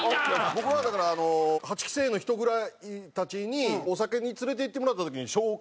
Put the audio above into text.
僕はだからあの８期生の人たちにお酒に連れていってもらった時に紹介されてるんで。